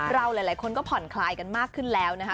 หลายคนก็ผ่อนคลายกันมากขึ้นแล้วนะคะ